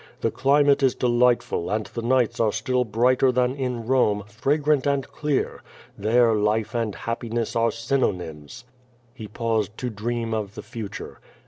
The climate is delightful, and the nights are still brighter than in Rome, fragrant and clear. There life ' and happiness are synonyms!" He paused to dream of the future.